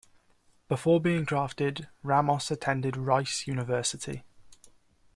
Before being drafted, Ramos attended Rice University.